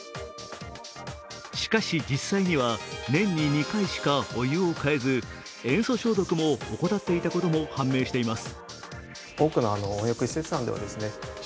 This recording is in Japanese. しかし、実際には年に２回しかお湯を替えず塩素消毒も怠っていたことも判明しています。